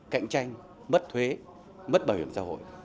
cạnh tranh mất thuế mất bảo hiểm xã hội